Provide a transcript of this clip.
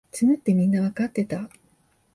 詰むってみんなわかってた